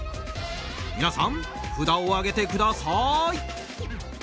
皆さん、札を上げてください。